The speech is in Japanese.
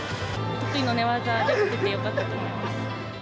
得意の寝技で勝ててよかったと思います。